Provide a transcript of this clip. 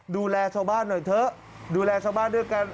ดูแลชาวบ้านหน่อยเถอะดูแลชาวบ้านด้วยกัน